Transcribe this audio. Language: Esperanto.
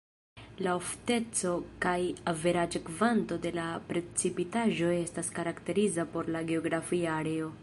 La ofteco kaj averaĝa kvanto de la precipitaĵo estas karakteriza por la geografia areo.